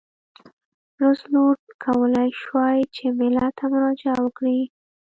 روزولټ کولای شوای چې ملت ته مراجعه وکړي.